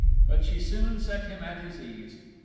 But she soon set him at his ease.